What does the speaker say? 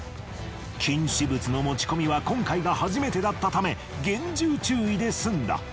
禁止物の持ち込みは今回が初めてだったため厳重注意で済んだ。